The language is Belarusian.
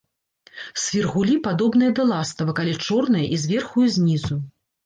Свіргулі падобныя да ластавак, але чорныя і зверху, і знізу.